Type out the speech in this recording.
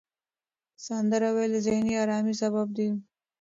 سندره ویل د ذهني آرامۍ سبب دی.